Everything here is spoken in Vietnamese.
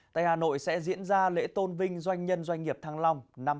tây hà nội sẽ diễn ra lễ tôn vinh doanh nhân doanh nghiệp thăng long năm hai nghìn hai mươi bốn